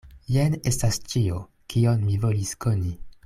Jen estas ĉio, kion mi volis koni.